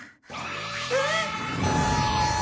えっ！？